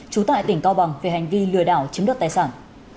trú tại tỉnh cao bằng về hành vi lừa đảo chiếm đoạt tài sản